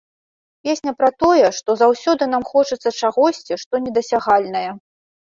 Песня пра тое, што заўсёды нам хочацца чагосьці, што недасягальнае.